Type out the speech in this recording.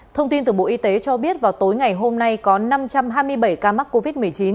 thông tin từ bộ y tế cho biết vào tối ngày hôm nay có năm trăm hai mươi bảy ca mắc covid một mươi chín